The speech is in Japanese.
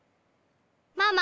ママ！